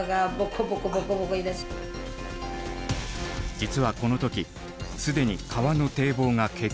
実はこの時既に川の堤防が決壊。